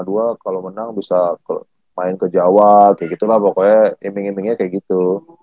iya nanti sma dua kalo menang bisa main ke jawa kayak gitu lah pokoknya eming emingnya kayak gitu